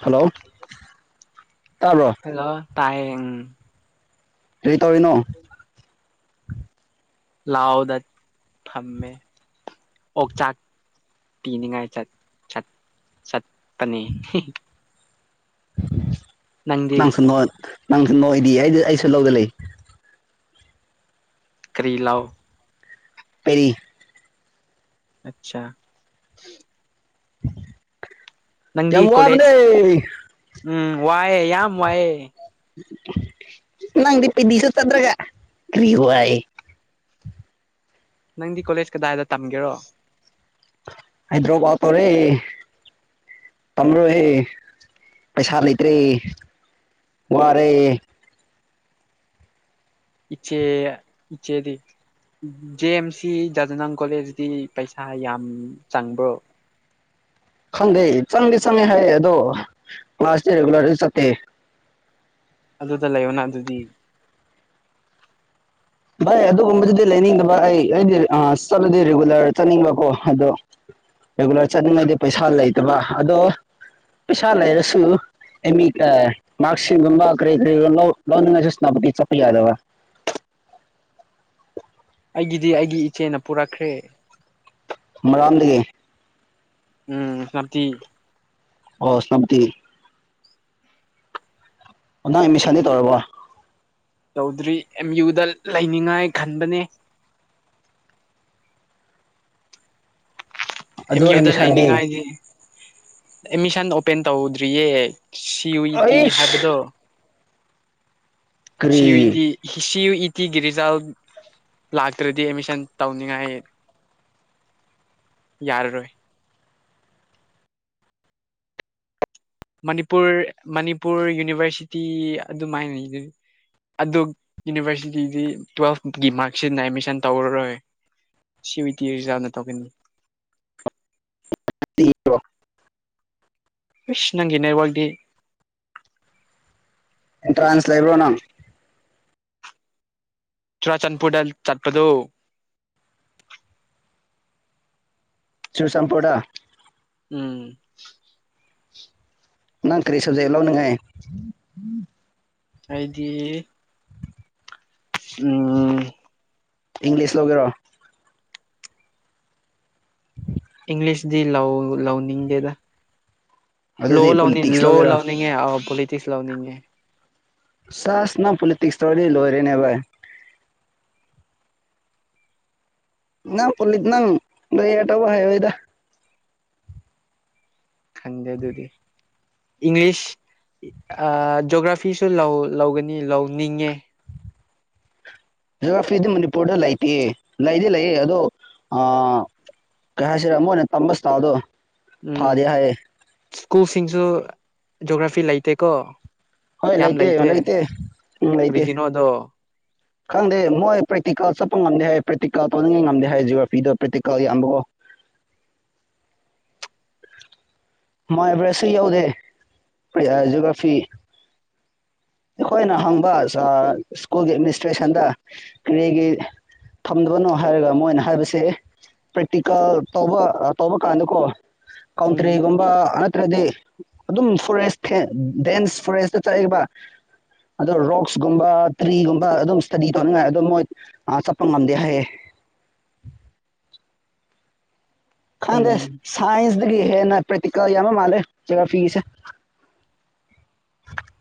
hello ꯇꯥꯕ꯭ꯔꯣ hello ꯇꯥꯏꯌꯦ ꯎꯝ ꯀꯔꯤ ꯇꯧꯔꯤꯅꯣ ꯂꯥꯎꯗ ꯊꯝꯃꯦ ꯑꯣꯛꯆꯥꯛ ꯄꯤꯅꯤꯡꯉꯥꯏ ꯆꯠ ꯆꯠ ꯆꯠ ꯄꯅꯤ ꯅꯪꯗꯤ ꯅꯪ ꯁꯟꯍꯣꯠ ꯅꯪ ꯅꯣꯏ ꯑꯩꯗꯤ ꯑꯩ ꯑꯩꯁꯨ ꯂꯧꯗ ꯂꯩ ꯀꯔꯤ ꯂꯑꯣ ꯄꯦꯔꯤ ꯑꯆꯥꯆꯥ [inaudible] [inaudible] ꯅꯪꯗꯤ ꯌꯥꯝ ꯀꯣꯂꯦꯖ ꯋꯥꯕꯅꯦ ꯎꯝ ꯋꯥꯏꯑꯦ ꯌꯥꯝ ꯋꯥꯏꯑꯦ ꯅꯪꯗꯤꯄꯤꯤꯁ ꯆꯗ꯭ꯔꯒ ꯀꯔꯤꯥꯏ ꯅꯪꯗꯤ ꯀꯣꯂꯦꯖ ꯀꯗꯥꯏꯗ ꯇꯝꯒꯦꯔꯣ ꯍꯥꯏꯗ꯭ꯔꯕꯥꯠ ꯇꯧꯔꯦ ꯇꯝꯂꯣꯏꯍꯦ ꯄꯩꯁꯥ ꯂꯩꯇ꯭ꯔꯦ ꯋꯥꯔꯦ ꯏꯆꯦ ꯏꯆꯦꯗꯤ ꯖꯦ ꯑꯦꯝ ꯁꯤ ꯖꯖꯅꯥ ꯀꯣꯂꯦꯖꯇ ꯄꯩꯁꯥ ꯌꯥꯝ ꯆꯪꯕ꯭ꯔꯣ ꯈꯪꯗꯦ ꯆꯪꯗꯤ ꯆꯪꯉꯦ ꯍꯥꯏꯌꯦ ꯑꯗꯣ ꯀ꯭ꯂꯥꯁ ꯔꯤꯒꯨꯂꯔ ꯆꯠꯇꯦ ꯑꯗꯨꯗ ꯂꯩꯌꯣꯅ ꯑꯗꯨꯗꯤ ꯚꯥꯏ ꯑꯗꯨꯒꯨꯝꯕꯗꯨꯗꯤ ꯂꯩꯅꯤꯡꯗꯕ ꯑꯩ ꯑꯩꯗꯤ ꯆꯠꯂꯗꯤ ꯔꯤꯒꯨꯂꯔ ꯆꯠꯅꯤꯡꯕꯀꯣ ꯑꯗꯣ ꯔꯤꯒꯨꯂꯔ ꯆꯠꯅꯤꯡꯉꯥꯏꯗꯤ ꯄꯩꯁꯥ ꯂꯩꯇꯕ ꯑꯗꯣ ꯄꯩꯁꯥ ꯂꯩꯔꯁꯨꯃꯤ ꯃꯥꯔꯁ ꯁꯤꯒꯨꯝꯕ ꯀꯔꯤ ꯀꯔꯤ ꯂꯧꯅꯤꯡꯉꯥꯏꯁꯨ ꯁꯦꯅꯥꯄꯇꯤ ꯆꯠꯄ ꯌꯥꯗꯕ ꯑꯩꯒꯤꯗꯤ ꯑꯩꯒꯤ ꯏꯆꯦꯅ ꯄꯨꯔꯛꯈ꯭ꯔꯦ ꯃꯔꯔꯣꯟꯗꯒꯤ ꯎꯝ ꯁꯇꯤ ꯑꯣ ꯁꯝꯇ ꯅꯪ ꯃꯤꯁꯥꯅꯤ ꯇꯧꯔꯕꯣ ꯇꯧꯗ꯭ꯔꯤ ꯑꯦꯝ ꯌꯨꯗ ꯂꯩꯅꯤꯡꯉꯥꯏ ꯈꯟꯕꯅꯦ ꯑꯦꯝ ꯑꯗꯨ ꯌꯨꯗ ꯑꯦꯠꯃꯤꯁꯟꯗꯤ ꯂꯩꯅꯤꯡꯉꯥꯏꯗꯤ ꯑꯦꯠꯃꯤꯁꯟ ꯑꯣꯄꯦꯟ ꯇꯧꯗ꯭ꯔꯤꯌꯦ ꯁꯤꯋꯤ ꯇꯤ ꯑꯩꯁ ꯍꯥꯏꯕꯗꯣ ꯁꯤ ꯀꯔꯤꯒꯤ ꯏꯗꯤ ꯁꯤꯌ ꯏ ꯀꯤꯒꯤ ꯔꯤꯖꯜ ꯂꯥꯛꯇ꯭ꯔꯗꯤ ꯑꯦꯗꯃꯤꯁꯟ ꯇꯧꯅꯤꯉꯥꯏ ꯌꯥꯔꯔꯣꯏ ꯃꯅꯤꯄꯨꯔ ꯃꯅꯤꯄꯨꯔ ꯌꯨꯅꯤꯚꯔꯁꯤꯇꯤ ꯑꯗꯨꯃꯥꯏꯅ ꯑꯗꯨ ꯌꯨꯅꯤꯚꯔꯁꯤꯇꯤꯗꯤ ꯇ꯭ꯋꯦꯜꯐꯀꯤ ꯃꯥꯔꯛꯁꯤꯅ ꯑꯦꯠꯃꯤꯁꯟ ꯇꯧꯔꯔꯣꯏ ꯁꯤꯋꯤ ꯇꯤ ꯔꯤꯖꯥꯜꯅ ꯇꯧꯒꯅꯤ ꯁꯤ ꯅꯒꯦꯅꯦ ꯋꯥꯥꯛꯗꯤ ꯑꯦꯟꯇ꯭ꯔꯦꯟꯁ ꯂꯩꯕ꯭ꯔꯣ ꯅꯪ ꯆꯨꯔ ꯆꯟꯄꯨꯔꯗꯦꯜ ꯆꯠꯄꯗꯨ ꯆꯨꯁꯝꯄ ꯎꯝ ꯅꯪ ꯀꯔꯤ ꯁꯕꯖꯂꯅꯉꯦ ꯍꯥꯏꯗꯤ ꯎꯝ ꯏꯪꯂꯤꯁ ꯂꯧꯒꯦꯔꯣ ꯎꯝ ꯏꯪꯂꯤꯁꯗꯤ ꯂꯧ ꯂꯧꯅꯤꯡꯗꯦꯗ ꯂꯣ ꯑꯗꯨꯗꯤ ꯂꯥꯎꯅꯤꯡ ꯄꯣꯂꯤꯇꯤꯛꯁ ꯂꯣ ꯂꯧꯒꯦꯔꯣ ꯂꯥꯎꯅꯤꯡꯣ ꯇꯤꯁ ꯂꯧꯅꯤꯡ ꯆꯁ ꯅ ꯄꯣꯂꯤꯇꯤꯁ ꯊ ꯋꯥꯔꯤ ꯂꯣꯏꯔꯦꯅꯦꯚꯥꯏ ꯅ ꯄꯂꯤꯗ ꯅꯪ ꯇꯕꯨ ꯍꯥꯏ ꯑꯣꯏꯗ ꯈꯪꯗꯦ ꯑꯗꯨꯗꯤ ꯏꯪꯂꯤꯁ ꯖꯣꯒ꯭ꯔꯥꯐꯤꯁꯨ ꯂꯧꯒꯅꯤ ꯂꯧꯅꯤꯡꯉꯦ ꯖꯑꯣꯒ꯭ꯔꯥꯐꯤꯗꯤ ꯃꯅꯤꯄꯨꯔꯗ ꯂꯩꯇꯦ ꯂꯩꯗꯤ ꯂꯩꯌꯦ ꯑꯗꯣ ꯀꯩ ꯍꯥꯏꯁꯤꯔꯦ ꯑꯃꯨꯛ ꯑꯣꯏꯅ ꯇꯝꯁꯤ ꯇ ꯑꯗꯣ ꯎꯝ ꯐꯥꯗꯦ ꯍꯥꯏ ꯁ꯭ꯀꯨꯜꯁꯤꯡꯁꯨ ꯖꯣꯒ꯭ꯔꯥꯐꯤ ꯂꯩꯇꯦꯀꯣ ꯍꯣꯏ ꯂꯩꯇꯦ ꯂꯩꯇꯦ ꯎꯝ ꯂꯩꯇꯦ ꯀꯔꯤꯒꯤꯅꯣꯗꯣ ꯈꯪꯗꯦ ꯃꯣꯏ ꯄ꯭ꯔꯦꯛꯇꯤꯀꯦꯜ ꯆꯠꯄ ꯉꯝꯗꯦ ꯍꯥꯏ ꯄ꯭ꯔꯦꯛꯇꯤꯀꯦꯜ ꯇꯧꯅꯤꯡꯉꯩ ꯉꯝꯗꯦ ꯍꯥꯏ ꯖꯤꯑꯣꯒ꯭ꯔꯥꯐꯤꯗꯣ ꯄ꯭ꯔꯦꯛꯇꯤꯀꯦꯜ ꯌꯥꯝꯕꯀꯣ ꯃꯥꯏꯕꯔꯦꯠꯁꯨ ꯌꯧꯗꯦ ꯖꯑꯣꯒ꯭ꯔꯥꯐꯤ ꯑꯩꯈꯣꯏꯅ ꯍꯪꯕ ꯁ꯭ꯀꯨꯜꯒꯤ ꯑꯦꯗꯃꯤꯅꯤꯁꯇ꯭ꯔꯦꯁꯟꯗ ꯀꯔꯤꯒꯤ ꯊꯝꯗꯕꯅꯣ ꯍꯥꯏꯔꯒ ꯃꯣꯏꯅ ꯍꯥꯏꯕꯁꯦ ꯄ꯭ꯔꯦꯛꯇꯤꯀꯦꯜ ꯇꯧꯕ ꯇꯧꯕ ꯀꯥꯟꯗꯀꯣ ꯎꯝ ꯀꯥꯎꯟꯇꯔꯤꯒꯨꯝ ꯅꯠꯇ꯭ꯔꯗꯤ ꯑꯗꯨꯝ ꯐꯣꯔꯦꯁ ꯗꯦꯟꯁ ꯐꯣꯔꯦꯁꯇ ꯆꯠꯂꯤꯕ ꯑꯗꯨ ꯔꯣꯛꯁꯀꯨꯝꯕ ꯇ꯭ꯔꯤꯒꯨꯝꯕ ꯑꯗꯨꯝ ꯏꯁꯇꯗꯤ ꯇꯧꯅꯤꯡꯉꯥꯏ ꯑꯗꯨꯝ ꯃꯣꯏ ꯆꯠꯄ ꯉꯝꯗꯦ ꯍꯥꯏꯌꯦ ꯈꯪꯗꯦ ꯎꯝ ꯁꯥꯏꯟꯁ ꯇꯒꯤ ꯍꯦꯟꯅ ꯄ꯭ꯔꯦꯇꯤꯀꯦꯜ ꯌꯥꯝꯕ ꯃꯥꯂꯦ ꯖꯣꯒ꯭ꯔꯥꯐꯤꯒꯤꯁꯦ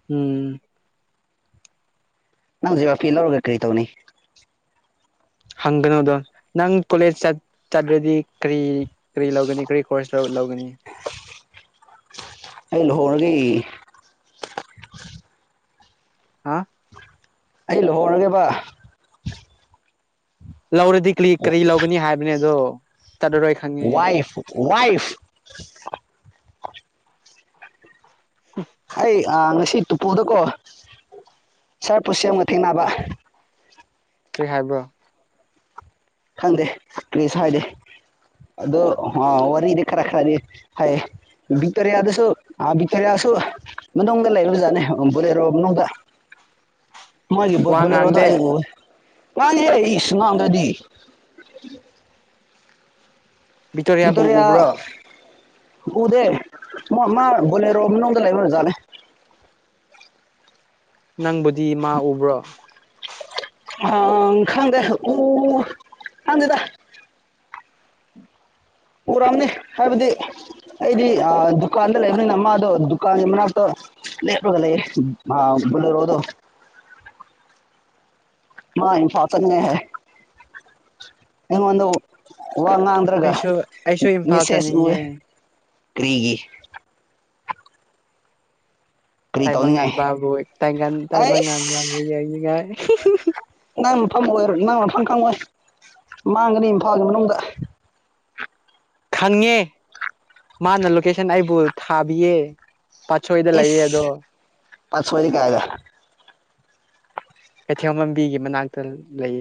ꯎꯝ ꯅꯪ ꯖꯣꯒ꯭ꯔꯥꯐꯤ ꯂꯧꯔꯒ ꯀꯔꯤ ꯇꯧꯅꯤ ꯍꯪꯒꯅꯣꯗꯣ ꯅꯪ ꯀꯣꯂꯦꯖ ꯆꯠꯇ꯭ꯔꯗꯤ ꯀꯔꯤ ꯀꯔꯤ ꯂꯧꯒꯅꯤ ꯀꯔꯤ ꯀꯣꯔꯁ ꯂꯧꯒꯅꯤ ꯑꯩ ꯂꯨꯍꯣ ꯎꯝ ꯍꯥ ꯑꯩ ꯂꯨꯍꯣꯔꯒꯦꯕ ꯂꯧꯔꯗꯤ ꯀ꯭ꯂꯤ ꯀꯔꯤ ꯂꯧꯒꯅꯤ ꯍꯥꯏꯕꯅꯦ ꯑꯗꯣ [unintelligible] ꯇꯥꯗꯔꯣꯏ ꯈꯪꯉꯦ ꯋꯥꯏꯐ ꯋꯥꯏꯐ ꯍꯩ ꯉꯁꯤ ꯇꯨꯄꯨꯜꯗꯀꯣ ꯁꯥꯔ ꯄꯨꯁꯦꯝꯒ ꯊꯦꯡꯅꯕ ꯀꯔꯤ ꯍꯥꯏꯕ꯭ꯔꯥ ꯈꯪꯗꯦ ꯀ꯭ꯔꯤꯁꯨ ꯍꯥꯏꯗꯦ ꯑꯗꯨ ꯋꯥꯔꯤꯗꯤ ꯈꯔ ꯈꯔꯗꯤ ꯍꯥꯏꯌꯦ ꯕꯤꯛꯇꯣꯔꯤꯌꯥꯗꯁꯨ ꯕꯤꯛꯇꯣꯔꯤꯌꯥꯁꯨ ꯃꯅꯨꯡꯗ ꯂꯩꯔꯖꯥꯠꯅꯦ ꯕꯣꯂꯦꯔꯣ ꯃꯅꯨꯡꯗ ꯃꯣꯏꯒꯤ ꯋꯥ ꯕꯣꯂꯦꯔꯣꯗꯣ ꯉꯥꯡꯗꯦ ꯑꯩ ꯎꯏ ꯃꯥ ꯏꯁ ꯉꯥꯡꯗ꯭ꯔꯥꯗꯤ [unintelligible] ꯕꯤꯇꯣꯔꯤꯌꯥꯕꯨ ꯎꯕ꯭ꯔꯥ ꯎꯗꯦ ꯃꯥ ꯕꯣꯂꯦꯔꯣ ꯃꯅꯨꯡꯗ ꯂꯩꯕ ꯖꯥꯠꯅꯦ ꯅꯪꯕꯨꯗꯤ ꯃꯥ ꯎꯕ꯭ꯔꯣ ꯑ ꯈꯪꯗꯦ ꯎ ꯈꯪꯗꯦꯗ ꯎꯔꯝꯅꯤ ꯍꯥꯏꯕꯗꯤ ꯑꯩꯗꯤ ꯗꯨꯀꯥꯟꯗ ꯂꯩꯕꯅꯤꯅ ꯃꯥꯗꯣ ꯗꯨꯀꯥꯟꯒꯤ ꯃꯅꯥꯛꯇꯣ ꯂꯦꯞꯄꯒ ꯂꯩꯌꯦ ꯕꯣꯂꯦꯔꯣꯗꯣ ꯃꯥ ꯏꯝꯐꯥꯜ ꯆꯠꯅꯤꯉꯥꯢ ꯍꯥꯏꯌꯦ ꯑꯩꯉꯣꯟꯗ ꯋꯥ ꯉꯥꯡꯗ꯭ꯔꯒ ꯑꯩꯁꯨ ꯑꯩꯁꯨ ꯏꯝꯐꯥꯜ ꯃꯤꯁꯦꯁ ꯎꯢꯌꯦ ꯆꯠꯅꯤꯡꯉꯦ ꯀꯔꯤꯒꯤ ꯀꯔꯤ ꯇꯧꯅꯤꯡꯉꯥꯏ ꯇꯥꯏꯕꯪꯉꯥꯟꯕꯕꯨ ꯇꯥꯏ ꯑꯩꯁ ꯇꯥꯏꯕꯪꯉꯥꯟꯕꯨ ꯌꯦꯡꯅꯤꯉꯥꯏ ꯑꯣꯏꯔ ꯅꯪꯅꯐꯝ ꯈꯪꯉꯣꯏ ꯃꯥꯡꯒꯅꯤ ꯏꯝꯐꯥꯜꯒꯤ ꯃꯅꯨꯡꯗ ꯈꯪꯉꯦ ꯃꯥꯅ ꯂꯣꯀꯦꯁꯟ ꯑꯩꯕꯨ ꯊꯥꯕꯤꯌꯦ ꯄꯥꯠꯁꯣꯏꯗ ꯂꯩꯌꯦ ꯑꯗꯣ ꯏꯁ ꯄꯥ ꯁꯖꯦ ꯀꯑꯒ ꯀꯩꯊꯦꯜ ꯂꯝꯕꯤꯒꯤ ꯃꯅꯥꯛꯇ ꯂꯩ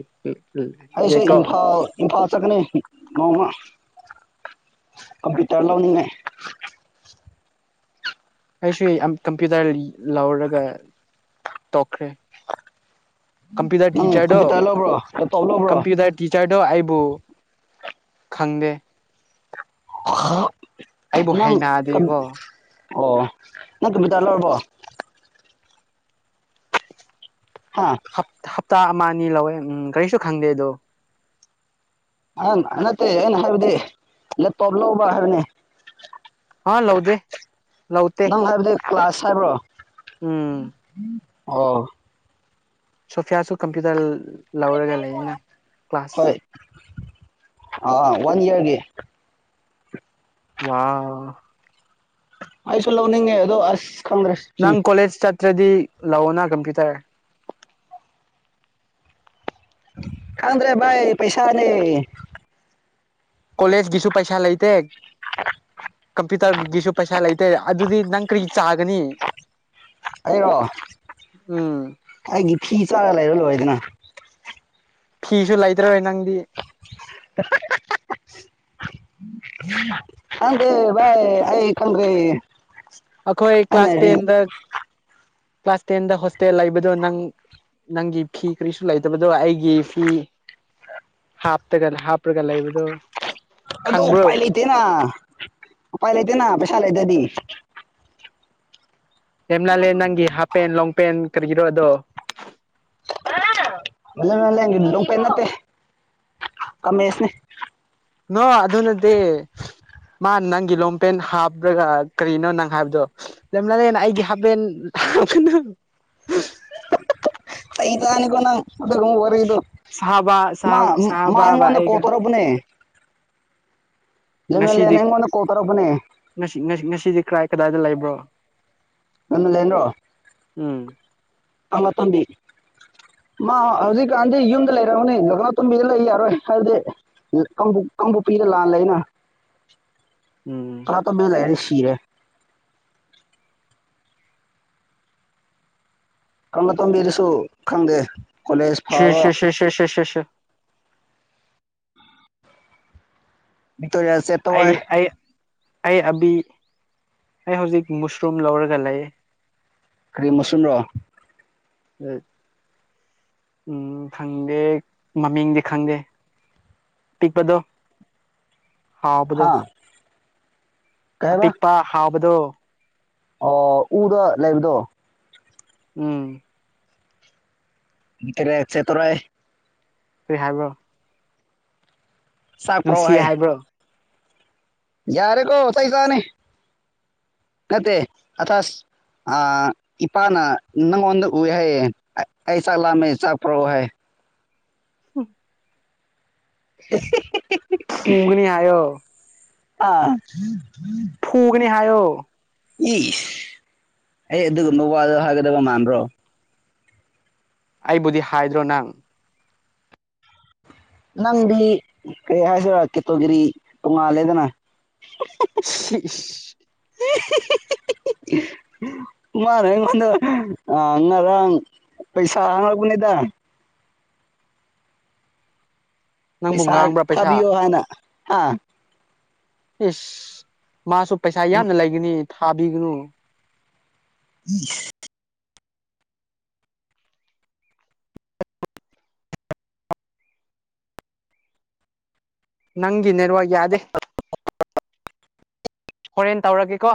ꯑꯩ ꯌꯦꯀꯣ ꯏꯝꯐꯥꯜ ꯏꯝꯐꯥꯜ ꯅꯤ ꯃꯃ ꯀꯝꯄꯇꯔ ꯂꯥꯎꯅꯤꯡꯅꯦ ꯑꯩꯁꯨ ꯀꯝꯄ꯭ꯌꯨꯇꯔ ꯂꯧꯔꯒ ꯇꯣꯛꯈ꯭ꯔꯦ ꯀꯝꯄꯌꯨꯇꯔ ꯅꯪ ꯇꯤꯆꯔꯣ ꯀꯝꯄ꯭ꯌꯨꯇꯔ ꯂꯧꯕ꯭ꯔꯣ ꯂꯦꯞꯇꯣꯞ ꯂꯧꯕ꯭ꯔꯣ ꯀꯝꯄꯌꯨꯇꯔ ꯇꯤꯆꯔꯣ ꯑꯥꯏ ꯕꯨ ꯈꯪꯗꯦ ꯍ ꯑꯩꯕꯨ ꯍꯩꯅꯗꯦꯀꯣ ꯑꯣ ꯅꯪ ꯇꯕꯤꯗꯔꯂꯔꯕꯔꯕꯣ ꯍꯥ ꯍ ꯍꯞꯇꯥ ꯃꯥꯅꯤ ꯂꯧꯋꯦ ꯎꯝ ꯀꯔꯤꯁꯨ ꯈꯪꯗꯦꯗꯣ ꯑꯪ ꯅꯠꯇꯦ ꯑꯩꯅ ꯍꯥꯏꯕꯗꯤꯞ ꯇꯣꯞ ꯂꯧꯕ ꯍꯥꯏꯕꯅꯦ ꯍꯥꯥ ꯂꯧꯧꯕꯗꯦ ꯂꯧꯕꯗ ꯅꯪ ꯍꯥꯏꯕꯗꯤ ꯀ꯭ꯂꯥꯁ ꯐꯥꯏꯚ꯭ꯔꯣ ꯎꯝ ꯑꯣ ꯁꯣꯐꯤꯌꯥꯁꯨ ꯀꯝꯄ꯭ꯨꯇꯔ ꯍꯣꯏ ꯑ ꯋꯥꯟ ꯏꯌꯥꯔꯒꯤ ꯋꯥ ꯑꯁꯂ ꯅꯤꯡꯦ ꯑꯗꯣ ꯑꯁ ꯈꯪꯗ꯭ꯔꯦ ꯅꯪ ꯁꯤ ꯀꯣꯂꯦꯖ ꯆ ꯠꯇꯗꯤ ꯂꯥꯛꯑꯣꯅ ꯀꯝꯄꯤ꯭ꯌꯨ ꯇꯔꯦ ꯀꯥꯟꯗ꯭ꯔꯦ ꯥꯏ ꯄꯩꯁꯥꯅꯤ ꯀꯣꯂꯦꯖ ꯀꯁꯨ ꯄꯩꯁꯥ ꯂꯩꯇ [inaudible] ꯀꯝꯄ꯭ꯌꯨꯇꯔꯒꯤꯁꯨ ꯄꯩꯁꯥ ꯂꯩꯇꯦ ꯑꯗꯨꯗꯤ ꯅꯪ ꯀꯔꯤ ꯆꯥꯒꯅꯤ ꯑꯩꯔꯣ ꯎꯝ ꯑꯩ ꯐꯤ ꯆꯥꯒ ꯂꯩꯔ ꯂꯣꯏ ꯍꯥꯏꯗꯅ ꯐꯤꯁꯨ ꯂꯩꯇ꯭ꯔꯔꯣꯏ ꯅꯪꯗꯤ ꯑꯗ ꯚ ꯑꯩ ꯀ꯭ꯔꯦ ꯑꯩꯈꯣꯏ ꯀ꯭ꯂꯥꯁ ꯇꯦꯟꯗ ꯀ꯭ꯂꯥꯁ ꯇꯦꯟꯗ ꯍꯣꯁꯇꯦꯜ ꯂꯩꯕꯗꯣ ꯅꯪ ꯅꯪꯒꯤ ꯐꯤ ꯀꯔꯤꯁꯨ ꯂꯩꯇꯕꯗꯣ ꯑꯩꯒꯤ ꯐꯤ ꯍꯥꯞꯇꯒ ꯍꯥꯞꯄꯔꯒ ꯂꯩꯕꯗꯣ ꯑꯗꯣ ꯈꯪꯕ꯭ꯔꯣ ꯎꯄꯥꯏ ꯂꯩꯇꯦꯅ ꯎꯄꯥꯏ ꯂꯩꯇꯅ ꯄꯁ ꯂꯩꯗꯗꯤ ꯍꯦꯝꯂ ꯂꯩꯦ ꯅꯪꯒꯤ ꯍꯥꯞ ꯄꯦꯟ ꯂꯣꯡ ꯄꯦꯟ ꯀꯔꯤꯒꯤꯔꯣ ꯑꯗꯣ ꯃ ꯂ ꯂꯄ ꯅꯠꯇ ꯀꯃꯦꯃꯦꯁꯤꯅꯦ ꯅꯣ ꯑꯗꯨꯅꯗꯤ ꯃꯥ ꯅꯪꯒꯤ ꯂꯣꯡꯄꯦꯟ ꯍꯥꯞꯄ꯭ꯔꯒ ꯀꯔꯤꯅꯣ ꯅꯪ ꯍꯥꯏꯕꯗꯣ ꯂꯩꯂꯂꯦꯅ ꯑꯩꯒꯤ ꯍꯥꯄꯦꯟ ꯍꯥ ꯑꯩꯩ ꯇꯅꯤꯒꯣꯟꯅꯪ ꯑꯣꯏꯔꯣ ꯁꯍꯕ ꯁꯥꯍ ꯁꯍꯕꯕ ꯀꯣꯜ ꯑꯩꯒ ꯇꯧꯔꯛꯄꯅꯦ ꯉꯁꯤꯗꯤ ꯂꯦꯃꯦꯂꯦꯟ ꯑꯩꯉꯣꯟꯗ ꯀꯣꯜ ꯇꯧꯔꯛꯄꯅꯦ ꯉꯁꯤꯗꯤ ꯀ꯭ꯔꯥꯏ ꯀꯗꯥꯏꯗ ꯂꯩꯕ [unintelligible] ꯅꯟꯅ ꯂꯩ ꯌꯦꯟꯣ ꯎꯝ ꯀꯪꯂ ꯇꯣꯝꯕꯤ ꯃꯥ ꯍꯧꯖꯤꯛꯀꯥꯟꯗꯤ ꯌꯨꯝꯗ ꯂꯩꯔꯝꯑꯅꯤ ꯂ ꯇꯣꯝꯕꯤꯗ ꯂꯩ ꯌꯥꯔꯣꯏ ꯍꯥꯏꯕꯗꯤ ꯀꯥꯡꯕꯨ ꯄꯤꯔ ꯂꯥꯜꯂ ꯑꯅ ꯎꯝ ꯑꯇꯣ ꯃ ꯂꯩꯅꯤ ꯀꯤꯔꯦ ꯀꯂ ꯇꯣꯕꯤꯔꯁꯨ ꯈꯪꯗꯦ ꯀꯣꯂꯦꯖ ꯁꯤ ꯐꯕ ꯁꯤꯦ ꯁꯤꯦ ꯁꯤꯦ ꯁꯤꯦ ꯁꯤꯦ ꯁꯤꯦ ꯌꯥꯁꯦ ꯇꯣ ꯍꯣꯏ ꯑꯩ ꯑꯩ ꯑꯩ ꯑꯕꯤ ꯑꯩ ꯍꯧꯖꯤꯛ ꯃꯨꯁꯔꯨꯝ ꯂꯧꯔꯒ ꯂꯩ ꯀꯔꯤꯝ ꯃꯁꯨꯝ ꯔꯣ ꯎꯝ ꯎꯝ ꯈꯪꯗꯦ ꯃꯃꯤꯡꯗꯤ ꯈꯪꯗꯦ ꯄꯤꯛꯄꯗꯣ ꯍꯥꯥꯎꯕꯗꯣ ꯍꯥ ꯀꯩ ꯍꯥꯏꯕ ꯄꯤꯛꯄ ꯍꯥꯎ ꯑꯕꯗꯣ ꯑꯣ ꯎꯗꯣ ꯂꯩꯕꯗꯣ ꯎꯝ ꯏ ꯀꯔꯦ ꯆꯦ ꯇꯔꯥꯏ ꯇ ꯍꯥꯏꯕ ꯆꯥꯛ ꯅꯨꯡꯁꯤꯌꯦ ꯍꯥꯏꯕ꯭ꯔꯣ ꯌꯥꯔꯦ ꯀꯣ ꯇꯩ ꯆꯅꯤ ꯅꯠꯇ ꯑꯊ ꯑ ꯏꯄꯥꯅ ꯅꯪꯉꯣꯟꯗ ꯍꯥꯏꯌꯦ ꯑꯩ ꯆꯂꯃꯦ ꯆꯄ꯭ꯔꯣ ꯍꯥꯏ ꯎꯝ [unintelligible] ꯃꯨꯒꯅꯤ ꯍꯥꯏꯣ ꯑ ꯐꯨꯒꯅꯦ ꯍꯥꯏꯣ ꯏ ꯑꯩ ꯑꯗꯨꯒꯨꯝꯕ ꯋꯥꯗ ꯍꯥꯏꯒꯗꯕ ꯃꯥꯟꯕ꯭ꯔꯣ ꯑꯩꯕꯨꯗꯤ ꯍꯥꯏꯗ꯭ꯔꯣ ꯅꯪ ꯅꯪꯗꯤ ꯀꯔꯤ ꯍꯥꯏꯁꯤꯔꯥ ꯀꯦꯇꯣꯒꯤꯔꯤ ꯇꯣꯉꯥꯜꯂꯦꯗꯅ [unintelligible] ꯃꯥꯅꯦ ꯑꯩꯉꯣꯟꯗ ꯉꯔꯥꯡ ꯄꯩꯁꯥ ꯍꯥꯡꯉꯛꯄꯅꯦꯗ ꯅꯪꯕꯨ ꯄꯩꯁꯥ ꯉꯥꯡꯕ꯭ꯔꯥ ꯄꯩꯁꯥ ꯈꯥꯕꯤꯣ ꯍꯥꯏꯅ ꯑꯥ ꯏꯁ ꯃꯥꯁꯨ ꯄꯩꯁꯥ ꯌꯥꯝꯅ ꯂꯩꯒꯅꯤ ꯊꯥꯕꯤꯒꯅꯨ ꯎꯝ ꯅꯪꯤ ꯅꯦꯔꯋꯥ ꯌꯥꯗꯦ ꯍꯣꯔꯦꯟ ꯇꯧꯔꯒꯦꯀꯣ